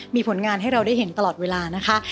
มีผลงานให้เราได้เห็นตลอดเวลานะคะ